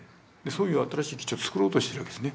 そういう新しい基地をつくろうとしてるわけです。